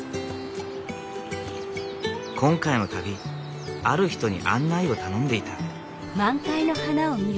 今回の旅ある人に案内を頼んでいた。